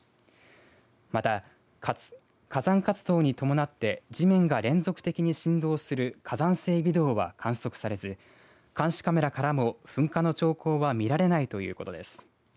また火山活動に伴って地面が連続的に振動する火山性微動は観測されず監視カメラからも噴火の兆候は見られないということです。